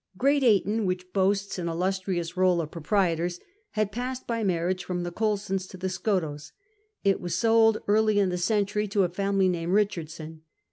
Great Ayton, which ]x)asts an illustrious roll of proprie tors, had passed by marriage from the Coulsons to the Skottowes. It was sold early in the century to a family named liichardson.